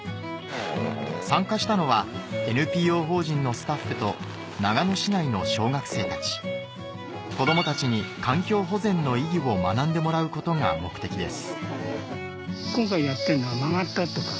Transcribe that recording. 参加したのはＮＰＯ法人のスタッフと長野市内の小学生たち子どもたちに環境保全の意義を学んでもらうことが目的です